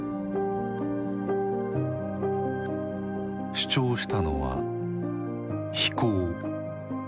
主張したのは「非攻」。